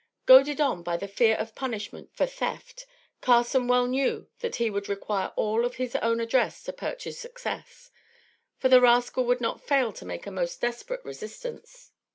Goaded on by the fear of punishment for theft, Carson well knew that he would require all of his own address to purchase success; for, the rascal would not fail to make a most desperate resistance.